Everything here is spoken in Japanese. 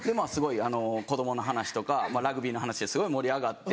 子供の話とかラグビーの話ですごい盛り上がって。